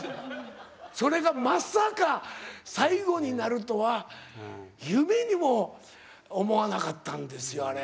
それがまさか最後になるとは夢にも思わなかったんですよあれ。